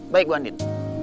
baik bu adin